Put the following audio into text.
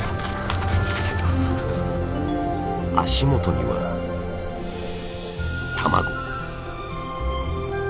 足元には卵。